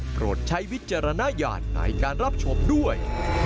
โปรดใช้วิจารณญาณในการรับชมด้วย